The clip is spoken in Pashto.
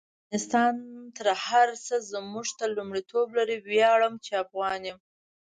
افغانستان تر هر سه مونږ ته لمړیتوب لري: ویاړم چی افغان يم